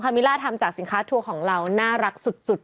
มิล่าทำจากสินค้าทัวร์ของเราน่ารักสุด